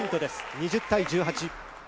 ２０対１８。